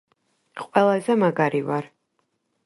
ყველაზე მაგარი ვარ.